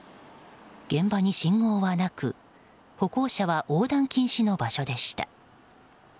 現場に信号はなく歩行者は横断禁止の場所でした。